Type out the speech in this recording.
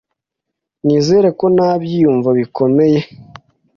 Nizere ko nta byiyumvo bikomeye.